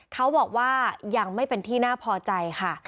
เขาบอกว่ายังไม่เป็นที่น่าพอใจค่ะ